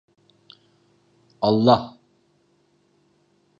Allah…